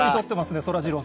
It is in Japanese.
そらジローと。